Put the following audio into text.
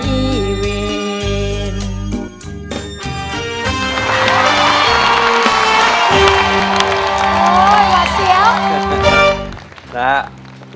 โอ้ยหวัดเสียว